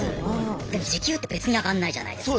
でも時給って別に上がんないじゃないですか。